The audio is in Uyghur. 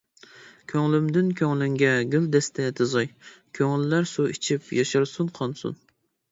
كۆڭلۈمدىن كۆڭلۈڭگە گۈلدەستە تىزاي، كۆڭۈللەر سۇ ئىچىپ ياشارسۇن، قانسۇن.